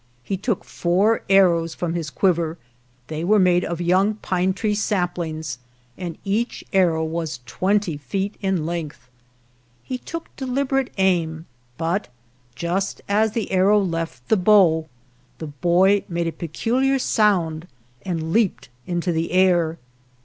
He took four ar rows from his quiver; they were made of young pine tree saplings, and each arrow was twenty feet in length. He took delib erate aim, but just as the arrow left the bow the boy made a peculiar sound and leaped into the air.